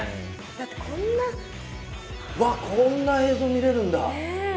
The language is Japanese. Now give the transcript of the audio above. こんな映像、見れるんだ。